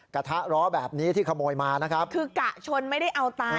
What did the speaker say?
กระทะล้อแบบนี้ที่ขโมยมานะครับคือกะชนไม่ได้เอาตาย